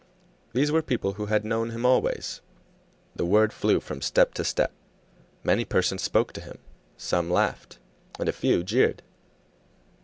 These were people who had known him always; the word flew from step to step. Many persons spoke to him, some laughed, and a few jeered.